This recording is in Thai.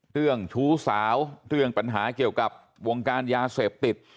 เรื่องชู้สาวเรื่องปัญหาเกี่ยวกับวงการยาเสพติด